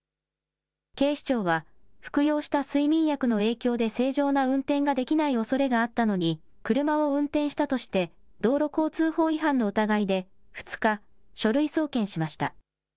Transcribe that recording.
警視庁は服用した睡眠薬の影響で正常な運転ができないおそれがあったのに車を運転したとして道路交通法違反の疑いで２日、書類送検しました。